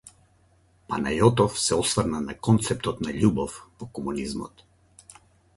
Панајотов се осврна на концептот на љубов во комунизмот.